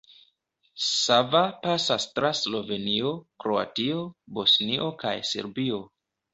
Sava pasas tra Slovenio, Kroatio, Bosnio kaj Serbio.